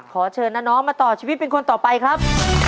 ขอเชิญน้าน้องมาต่อชีวิตเป็นคนต่อไปครับ